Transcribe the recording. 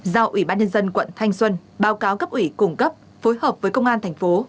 giao ủy ban nhân dân quận thanh xuân báo cáo cấp ủy cung cấp phối hợp với công an thành phố